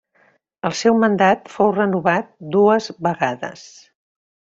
El seu mandat fou renovat dues vegades.